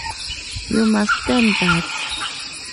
You must stand that!